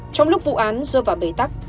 trong lúc vụ án rơ vào bầy tắc